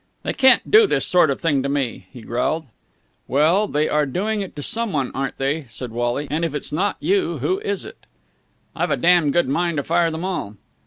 "They can't do this sort of thing to me!" he growled. "Well, they are doing it to someone, aren't they," said Wally, "and, if it's not you, who is it?" "I've a damned good mind to fire them all!"